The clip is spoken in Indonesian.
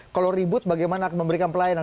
kalau ribut bagaimana memberikan pelayanan